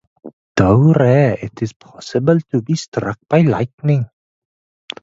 Though rare, it is possible to be struck by lightning.